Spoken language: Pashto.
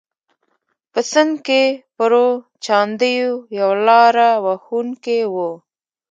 په سند کې پرو چاندیو یو لاره وهونکی و.